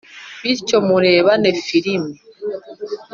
bityo murebane filimi